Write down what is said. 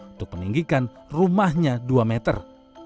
untuk meninggikan rumahnya dua meter